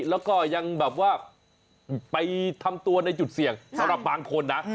แล้วก็ยังแบบว่าไปทำตัวในจุดเสี่ยงสำหรับบางคนนะ